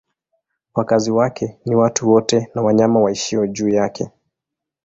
Wakazi wake ni watu wote na wanyama waishio juu yake.